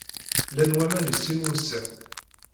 Llan waman i sin wussan.